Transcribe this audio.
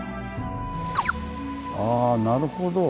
あなるほど。